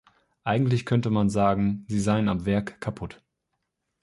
Eigentlich könnte man sagen, sie seien ab Werk kaputt.